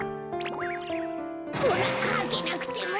ほらはけなくても。